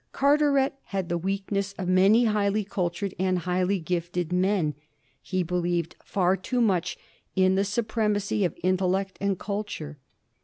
Carteret had the weakness of many highly cultured and highly gifted men ; he believed far too much in the supremacy of intellect and culture.